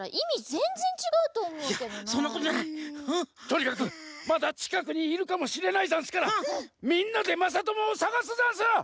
とにかくまだちかくにいるかもしれないざんすからみんなでまさともをさがすざんす！